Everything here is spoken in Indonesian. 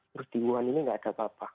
terus di wuhan ini nggak ada apa apa